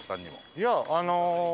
いやあの。